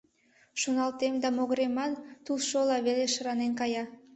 Шоналтем, да могыремат тулшолла веле шыранен кая.